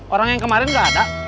orang yang kemarin nggak ada